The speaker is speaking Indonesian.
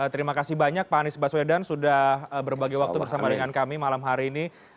terima kasih banyak pak anies baswedan sudah berbagi waktu bersama dengan kami malam hari ini